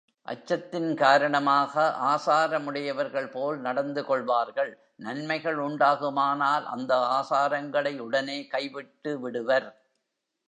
அச்சத்தின் காரணமாக ஆசாரம் உடையவர்கள்போல் நடந்துகொள்வார்கள் நன்மைகள் உண்டாகுமானால் அந்த ஆசாரங்களை உடனே கைவிட்டுவிடுவர்.